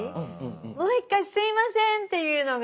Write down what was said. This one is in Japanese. もう一回「すいません」って言うのがやっぱり。